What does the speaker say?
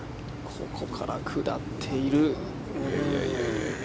ここから下っている。